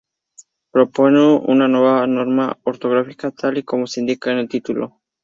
Propone una nueva norma ortográfica, tal y como se indica en el título.